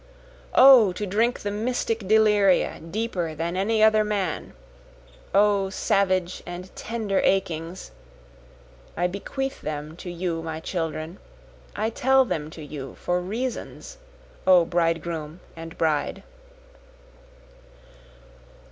O to drink the mystic deliria deeper than any other man! O savage and tender achings! (I bequeath them to you my children, I tell them to you, for reasons, O bridegroom and bride.)